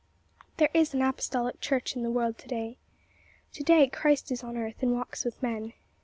There is an Apostolic Church in the world to day. To day Christ is on earth and walks with men.